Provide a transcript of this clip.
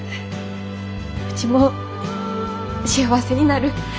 うちも幸せになる！